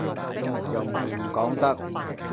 又唔係唔講得